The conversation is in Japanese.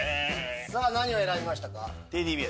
何を選びましたか？